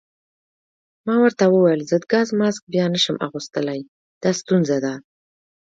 ما ورته وویل: ضد ګاز ماسک بیا نه شم اغوستلای، دا ستونزه ده.